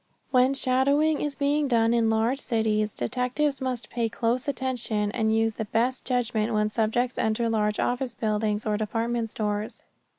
When shadowing is being done in large cities, detectives must pay close attention and use the best judgment when subjects enter large office buildings or department stores.